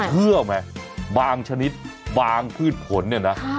เชื่อไหมบางชนิดบางพืชผลเนี่ยนะ